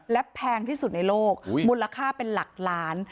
และแพงที่สุดในโลกมูลค่าเป็นหลักล้าน